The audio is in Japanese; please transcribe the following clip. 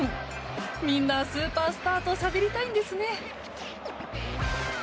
みんなスーパースターとしゃべりたいんですね。